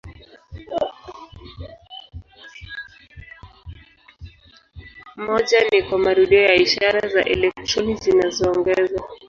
Moja ni kwa marudio ya ishara za elektroniki zinazoongezwa.